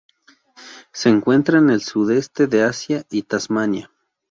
Se encuentra en el Sudeste de Asia y Tasmania.